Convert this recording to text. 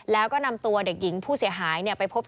แล้วก็นำตัวเด็กหญิงผู้เสียหายไปพบ